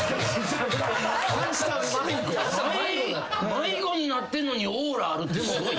迷子になってんのにオーラあるってすごい。